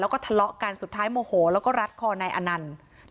แล้วก็ทะเลาะกันสุดท้ายโมโหแล้วก็รัดคอนายอนันต์